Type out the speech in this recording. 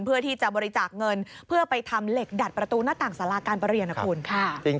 เพื่อที่จะบริจาคเงินเพื่อไปทำเหล็กดัดประตูหน้าต่างสาราการประเรียนนะคุณค่ะ